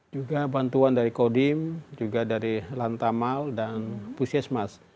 juga bantuan dari kodim juga dari lantamal dan puskesmas